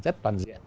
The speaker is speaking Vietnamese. rất toàn diện